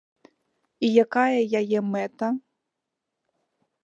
І якая яе мэта?